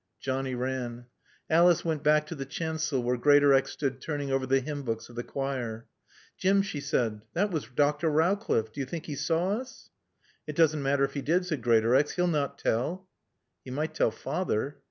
Johnny ran. Alice went back to the chancel where Greatorex stood turning over the hymn books of the choir. "Jim," she said, "that was Dr. Rowcliffe. Do you think he saw us?" "It doesn't matter if he did," said Greatorex. "He'll not tell." "He might tell Father."